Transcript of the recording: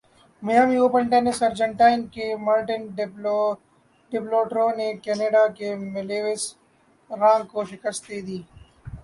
Miami open tennis Argentina کے Martin Del Potro نے Canada کے ملیوس رانک کو شکست دے دی